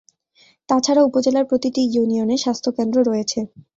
তাছাড়া উপজেলার প্রতিটি ইউনিয়নে স্বাস্থ্য কেন্দ্র রয়েছে।